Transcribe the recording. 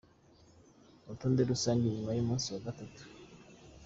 Urutonde rusange nyuma y’umunsi wa gatatu.